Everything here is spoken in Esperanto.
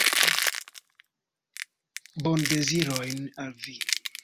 Bondezirojn al vi!